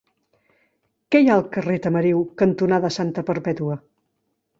Què hi ha al carrer Tamariu cantonada Santa Perpètua?